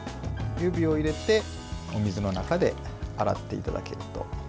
指を入れてお水の中で洗っていただけると。